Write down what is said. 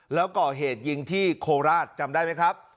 แล้วก็เหตุที่โคลาสจำได้ไหมครับ